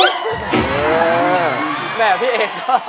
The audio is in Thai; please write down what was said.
แบบพี่เอ็กซ์ก็